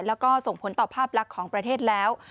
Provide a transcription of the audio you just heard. แล้วก็ส่งผลต่อภาพลักษณ์ของประเทศแล้ว